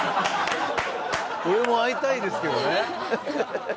俺も会いたいですけどね。